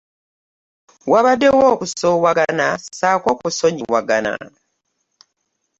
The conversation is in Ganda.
Wabaddewo okusoowagana ssaako okusonyiwagana.